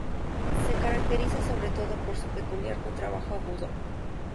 Se caracteriza sobre todo por su peculiar contrabajo agudo.